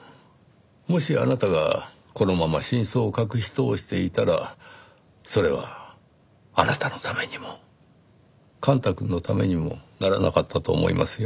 もしあなたがこのまま真相を隠し通していたらそれはあなたのためにも幹太くんのためにもならなかったと思いますよ。